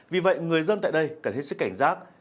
vì vậy người dân tại đây cần hết sức cảnh giác